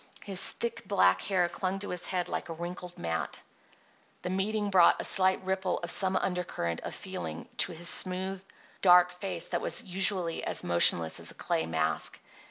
His thick, black hair clung to his head like a wrinkled mat. The meeting brought a slight ripple of some undercurrent of feeling to his smooth, dark face that was usually as motionless as a clay mask.